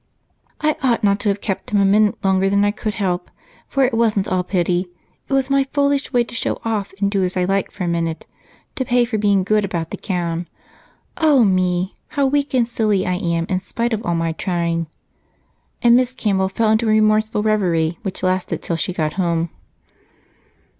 "I ought not to have kept him a minute longer than I could help, for it wasn't all pity; it was my foolish wish to show off and do as I liked for a minute, to pay for being good about the gown. Oh, me! How weak and silly I am in spite of all my trying!" And Miss Campbell fell into a remorseful reverie, which lasted till she got home.